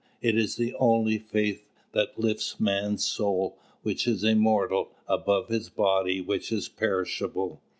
It is the only faith that lifts man's soul, which is immortal, above his body, which is perishable.